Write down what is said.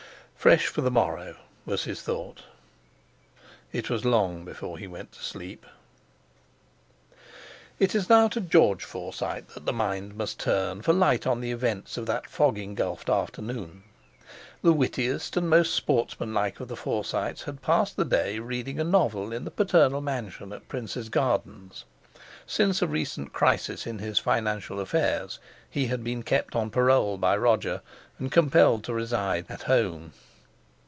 Fresh for the morrow! was his thought. It was long before he went to sleep.... It is now to George Forsyte that the mind must turn for light on the events of that fog engulfed afternoon. The wittiest and most sportsmanlike of the Forsytes had passed the day reading a novel in the paternal mansion at Princes' Gardens. Since a recent crisis in his financial affairs he had been kept on parole by Roger, and compelled to reside "at home."